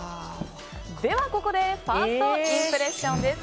では、ここでファーストインプレッションです。